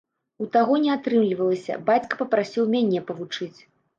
У таго не атрымлівалася, бацька папрасіў мяне павучыць.